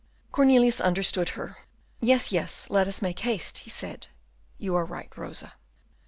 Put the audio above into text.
Cornelius understood her. "Yes, yes, let us make haste," he said, "you are right, Rosa."